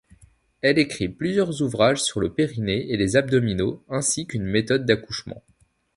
Elle écrit plusieurs ouvrages sur le périnée et les abdominaux ainsi qu'une méthode d'accouchement.